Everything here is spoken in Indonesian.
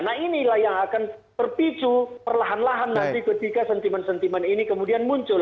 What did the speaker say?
nah inilah yang akan terpicu perlahan lahan nanti ketika sentimen sentimen ini kemudian muncul